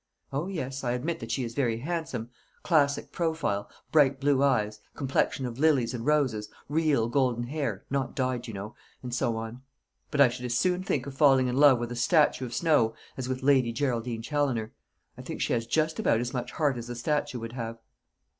O yes, I admit that she is very handsome classic profile, bright blue eyes, complexion of lilies and roses, real golden hair not dyed, you know and so on; but I should as soon think of falling in love with a statue of snow as with Lady Geraldine Challoner. I think she has just about as much heart as the statue would have."